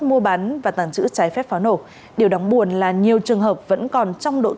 mua bán và tàng trữ trái phép pháo nổ điều đáng buồn là nhiều trường hợp vẫn còn trong độ tuổi